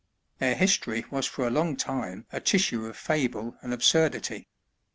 Their history was for a long time a tissue of fable and absurdity.